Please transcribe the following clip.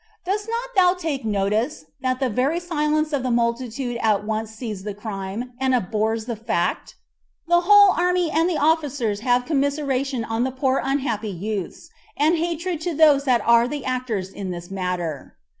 Dost not thou take notice, that the very silence of the multitude at once sees the crime, and abhors the fact? The whole army and the officers have commiseration on the poor unhappy youths, and hatred to those that are the actors in this matter."